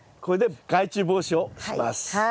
これで害虫防止をします。